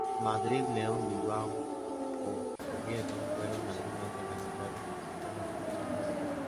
Madrid, León, Bilbao u Oviedo fueron algunas de las ciudades visitadas por la banda.